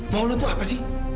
mau lu tuh apa sih